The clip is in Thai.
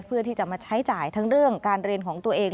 เพื่อที่จะมาใช้จ่ายทั้งเรื่องการเรียนของตัวเอง